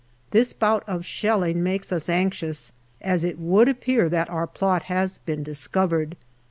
This bout of shelling makes us anxious, as it would appear that our plot has been discovered.